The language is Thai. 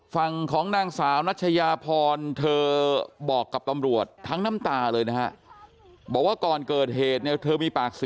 ฝั่งของนางสาวนัชยาพรเธอบอกกับตำรวจทั้งน้ำตาเลยนะครับ